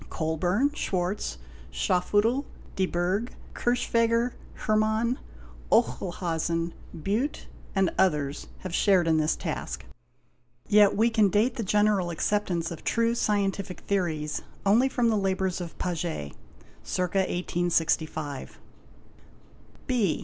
Colburn, Schwarz, Schafheutl, de Burg, Kirchwegger, Hermann, Oechlhausen, Biitte, and others have shared in this task ; yet we can date the general acceptance of true scientific theories only from the labours of Paget, (circa 1865). B.